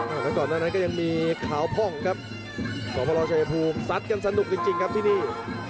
เนื่องจากนั้นก็ยังมีขาวพ่องครับสวนผลวจพูทิวเสร็จกันสนุกจริงครับที่นี้